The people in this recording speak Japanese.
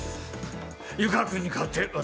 湯川君に代わって私